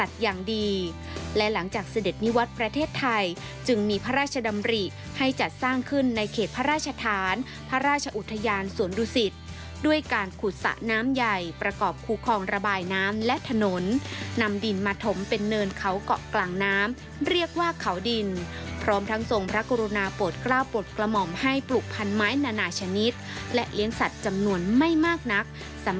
และหลังจากเสด็จนิวัตรประเทศไทยจึงมีพระราชดำริให้จัดสร้างขึ้นในเขตพระราชฐานพระราชอุทยานสวนดุสิตด้วยการขุดสระน้ำใหญ่ประกอบคูคลองระบายน้ำและถนนนำดินมาถมเป็นเนินเขาเกาะกลางน้ำเรียกว่าเขาดินพร้อมทั้งทรงพระกรุณาโปรดกล้าวโปรดกระหม่อมให้ปลูกพันไม้นานาชนิดและเลี้ยงสัตว์จำนวนไม่มากนัก